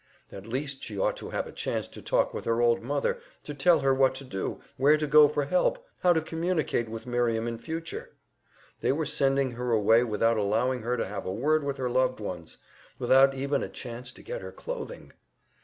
At least she ought to have a chance to talk with her old mother, to tell her what to do, where to go for help, how to communicate with Miriam in future. They were sending her away without allowing her to have a word with her loved ones, without even a chance to get her clothing!